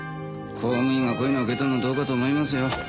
公務員がこういうの受け取るのどうかと思いますよ。